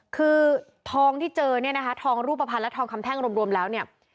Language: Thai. คือทองที่เจอเนี่ยนะคะทองรูปภัณฑ์และทองคำแท่งรวมแล้วเนี่ย